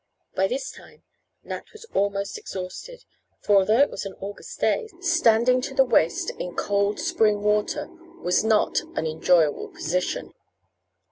By this time Nat was almost exhausted, for though it was an August day, standing to the waist in cold spring water was not an enjoyable position.